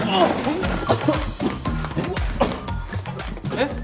えっ？